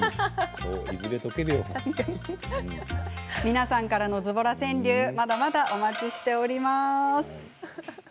皆さんからのズボラ川柳もまだまだお待ちしております。